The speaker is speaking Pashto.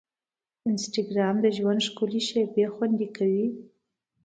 انسټاګرام د ژوند ښکلي شېبې خوندي کوي.